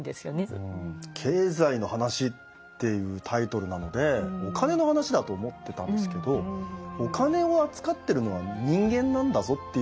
「経済の話」っていうタイトルなのでお金の話だと思ってたんですけどお金を扱ってるのは人間なんだぞっていうところ。